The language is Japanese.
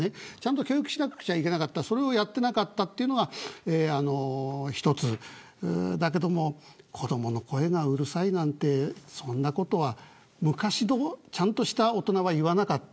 教育しなきゃいけなかったけどそれをやっていなかったというのが一つだけど子どもの声がうるさいなんてそんなことは昔のちゃんとした大人は言わなかった。